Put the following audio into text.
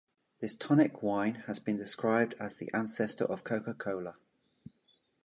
This tonic wine has been described as the ancestor of Coca-Cola.